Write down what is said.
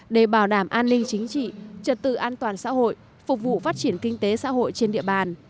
để bảo đảm an ninh chính trị trật tự an toàn xã hội phục vụ phát triển kinh tế xã hội trên địa bàn